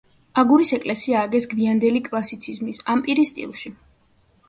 აგურის ეკლესია ააგეს გვიანდელი კლასიციზმის, ამპირის სტილში.